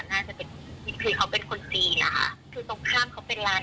น่าจะเป็นคือเขาเป็นคนจีนนะคะคือตรงข้ามเขาเป็นร้าน